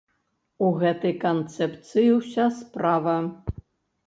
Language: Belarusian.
У гэтай канцэпцыі ўся справа!